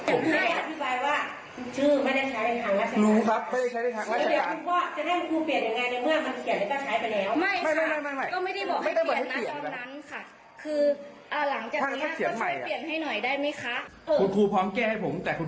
ผมให้อธิบายว่าชื่อไม่ได้ใช้ทางราชการ